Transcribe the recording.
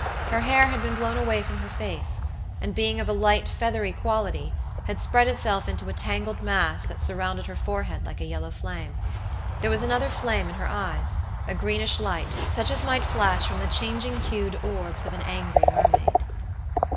Her hair had been blown away from her face, and being of a light, feathery quality, had spread itself into a tangled mass that surrounded her forehead like a yellow flame. There was another flame in her eyesa greenish light, such as might flash from the changing hued orbs of an angry mermaid.